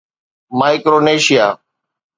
Micronesia